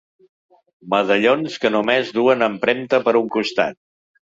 Medallons que només duen empremta per un costat.